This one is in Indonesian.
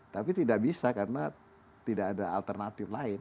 tapi tidak bisa karena tidak ada alternatif lain